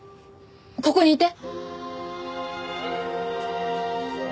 ここにいて！